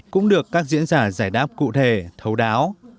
cũng được các diễn giả giải đáp cụ thể thấu đáo